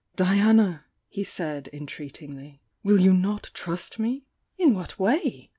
"Diana!" he said, entreatingly— "Will you not trust me?" "In what way?"